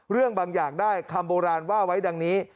บางอย่างได้คำโบราณว่าไว้ดังนี้